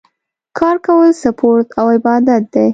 کار کول سپورټ او عبادت دی